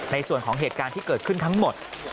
ในส่วนของเหตุการณ์ที่เกิดขึ้นทั้งหมด